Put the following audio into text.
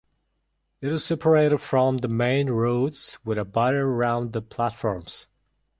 It is separated from the main roads with a barrier around the platforms.